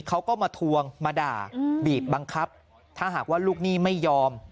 เขาก็มาทวงมาด่าบีบบังคับถ้าหากว่าลูกหนี้ไม่ยอม